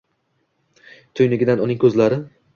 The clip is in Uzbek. Tuynugidan uning koʻzlari